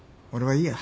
いいや。